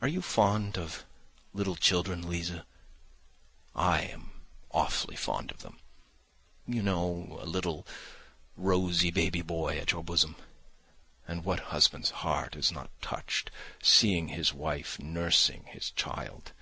Are you fond of little children, Liza? I am awfully fond of them. You know—a little rosy baby boy at your bosom, and what husband's heart is not touched, seeing his wife nursing his child!